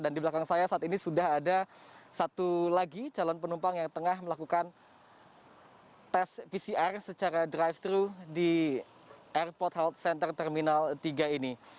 dan di belakang saya saat ini sudah ada satu lagi calon penumpang yang tengah melakukan tes pcr secara drive thru di airport health center terminal tiga ini